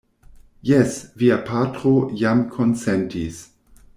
Jes, via patro jam konsentis.